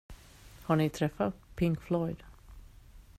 Har ni träffat Pink Floyd?